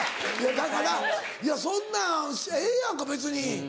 だからそんなんええやんか別に。